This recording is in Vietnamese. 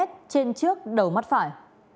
trên trước đầu mắt phải